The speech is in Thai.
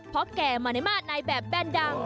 เพราะแก่มาในมาตรในแบบแบนดัง